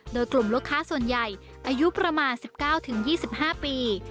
โดยกลุ่มลูกค้าส่วนใหญ่อายุประมาณ๑๙๒๕ปี